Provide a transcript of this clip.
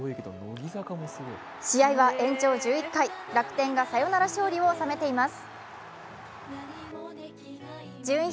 試合は延長１１回、楽天がサヨナラ勝利を収めています。